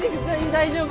大丈夫？